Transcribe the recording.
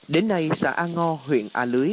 đến nay xã an ngo huyện a lưới